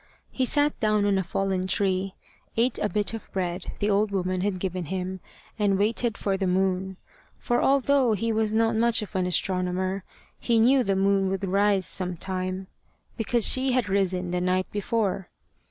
He sat down on a fallen tree, ate a bit of bread the old woman had given him, and waited for the moon; for, although he was not much of an astronomer, he knew the moon would rise some time, because she had risen the night before.